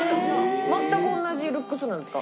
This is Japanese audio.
全く同じルックスなんですか？